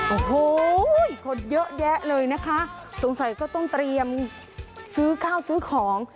โอ้โหคนเยอะแยะเลยนะคะสงสัยก็ต้องเตรียมซื้อข้าวซื้อของ